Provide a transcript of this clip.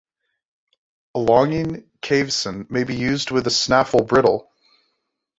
A longeing cavesson may be used with a snaffle bridle.